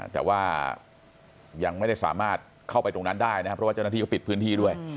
แต่ว่ายังไม่ได้สามารถเข้าไปตรงนั้นได้นะครับเพราะว่าเจ้าหน้าที่ก็ปิดพื้นที่ด้วย